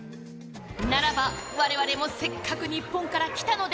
ならば、われわれもせっかく日本から来たので。